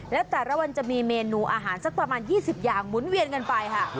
และแต่ละวันจะมีเมนูอาหารสักประมาณ๒๐อย่างหมุนเวียนกันไปค่ะ